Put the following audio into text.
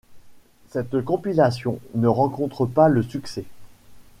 Cette compilation ne rencontre pas le succès.